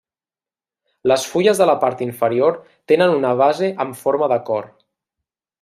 Les fulles de la part inferior tenen una base amb forma de cor.